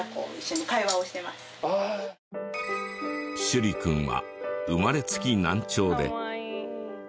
守李くんは生まれつき難聴で。